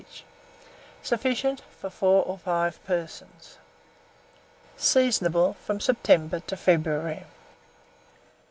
each. Sufficient for 4 or 5 persons. Seasonable from September to February.